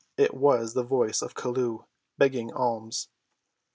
It was the voice of Chelluh begging alms.